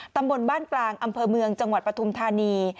ตำบลบ้านกลางอำเภอเมืองจังหวัดปฐุมธานี